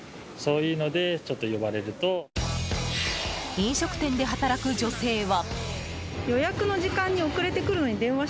飲食店で働く女性は。